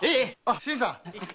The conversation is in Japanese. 新さん。